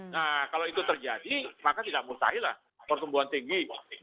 nah kalau itu terjadi maka tidak mustahilah pertumbuhan tinggi